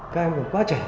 các em còn quá trẻ